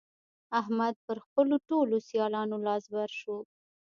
احمد پر خپلو ټولو سيالانو لاس بر شو.